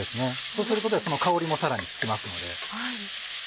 そうすることでその香りもさらにつきますので。